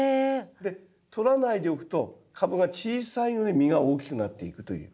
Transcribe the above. で取らないでおくと株が小さいうえ実が大きくなっていくという。